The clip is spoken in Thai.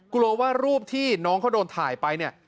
กลัวว่ารูปที่น้องเขาโดนถ่ายไปเนี่ย